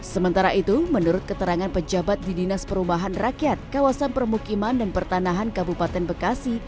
sementara itu menurut keterangan pejabat di dinas perumahan rakyat kawasan permukiman dan pertanahan kabupaten bekasi